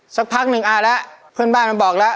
สักพักหนึ่งเอาละเพื่อนบ้านมันบอกละ